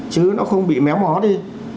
chứ nó không bị méo mó đi